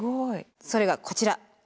それがこちら。